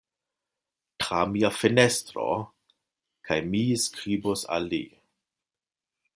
Tra mia fenestro, kaj mi skribos al li.